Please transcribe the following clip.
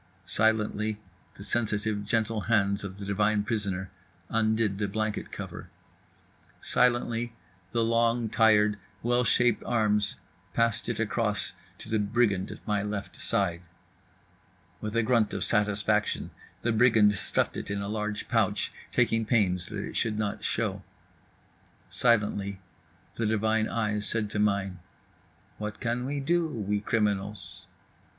Silently the sensitive, gentle hands of the divine prisoner undid the blanket cover. Silently the long, tired, well shaped arms passed it across to the brigand at my left side. With a grunt of satisfaction the brigand stuffed it in a large pouch, taking pains that it should not show. Silently the divine eyes said to mine: "What can we do, we criminals?"